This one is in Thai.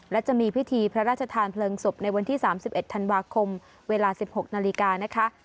และจะมีพิธีพระราชทานเพลิงศพในวันที่๓๑ธันวาคมเวลา๑๖นาฬิกานะคะ